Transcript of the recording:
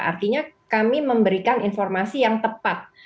artinya kami memberikan informasi yang tepat